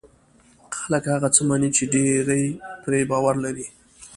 خلک هغه څه مني چې ډېری پرې باور لري.